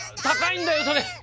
高いんだよそれ！